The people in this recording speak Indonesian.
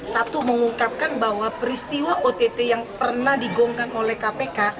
satu mengungkapkan bahwa peristiwa ott yang pernah digongkan oleh kpk